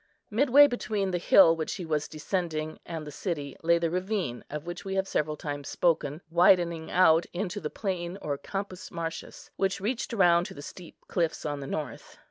Midway between the hill which he was descending and the city lay the ravine, of which we have several times spoken, widening out into the plain or Campus Martius, which reached round to the steep cliffs on the north.